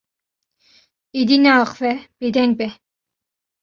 Êdî neaxive, bêdeng be.